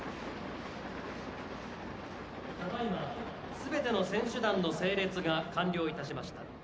すべての選手団の整列が完了いたしました。